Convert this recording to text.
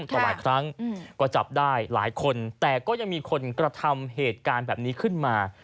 ต่อหลายครั้งก็จับได้หลายคนแต่ก็ยังมีคนกระทำเหตุการณ์แบบนี้ขึ้นมา